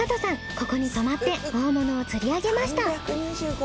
ここに泊まって大物を釣り上げました。